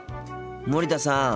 森田さん。